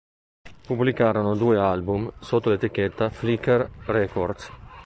Pubblicarono due album sotto l'etichetta Flicker Records.